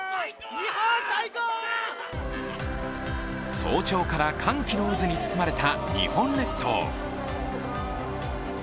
早朝から歓喜の渦に包まれた日本列島。